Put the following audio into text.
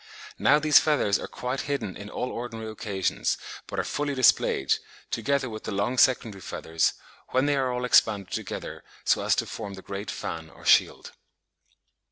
Now these feathers are quite hidden on all ordinary occasions, but are fully displayed, together with the long secondary feathers, when they are all expanded together so as to form the great fan or shield.